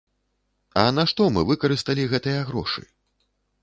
А на што мы выкарысталі гэтыя грошы?